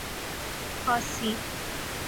کھاسی